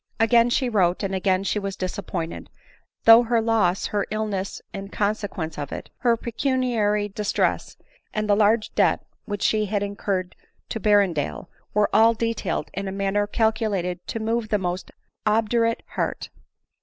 Again she wrote, and again she was disappointed; though her loss, her illness in consequence of it, her pecuniary distress, and the large debt which she had incurred to Berrendale, were all detailed in a manner calculated to move the most obdurate heart.